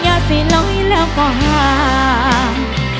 อย่าสิเหล้าให้แล้วก็ห่าง